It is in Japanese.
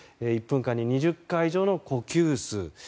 １分間に２０回以上の呼吸数。